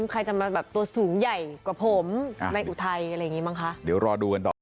ใครจะมาแบบตัวสูงใหญ่กว่าผมในอุทัยอะไรอย่างนี้มั้งคะเดี๋ยวรอดูกันต่อ